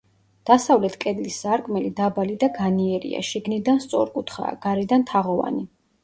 დასავლეთ კედლის სარკმელი დაბალი და განიერია, შიგნიდან სწორკუთხაა, გარედან თაღოვანი.